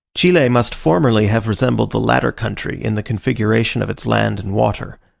Chile must formerly have resembled the latter country in the configuration of its land and water.